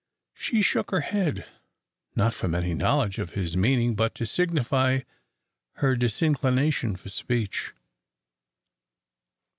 She shook her head, not from any knowledge of his meaning, but to signify her disinclination for speech.